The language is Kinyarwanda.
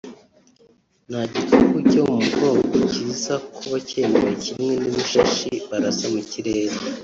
nta gikapu cyo mu mugongo kiza kuba cyemewe kimwe n’ibishashi barasa mu kirere